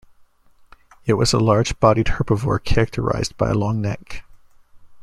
It was a large-bodied herbivore characterized by a long neck.